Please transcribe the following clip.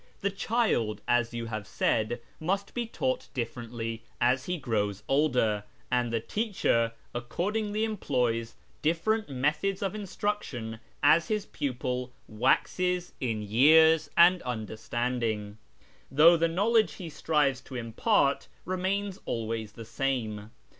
The child, as you have said, must be taught dif 'erently as he grows older, and the teacher accordingly employs lifferent methods of instruction as his pupil waxes in years nd understanding, though the knowledge he strives to impart ('mains always the same.